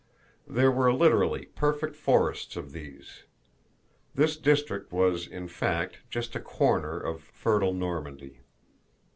There were literally, perfect forests of these. This district was, in fact, just a corner of fertile Normandy.